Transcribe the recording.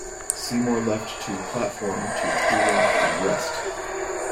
Seymour left to platform to cool off and rest.